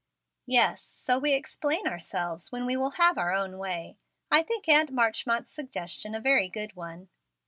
"Yes, so we explain ourselves when we will have our own way. I think Aunt Marchmont's suggestion a very good one."